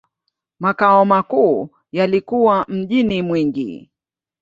Makao makuu yalikuwa mjini Mwingi.